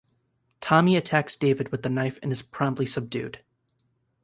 Tommy attacks David with the knife and is promptly subdued.